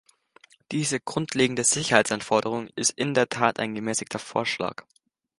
Diese grundlegende Sicherheitsanforderung ist in der Tat ein gemäßigter Vorschlag.